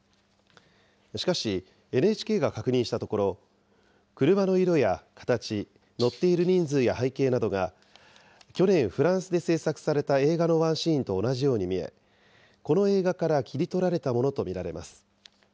しかし、ＮＨＫが確認したところ、車の色や形、乗っている人数や背景などが、去年フランスで制作された映画のワンシーンと同じように見え、この映画から切り取られたものと見られます。